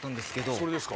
それですか？